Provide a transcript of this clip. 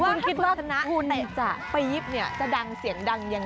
ว่าคุณคิดว่าคุณเตะจะปี๊บเนี่ย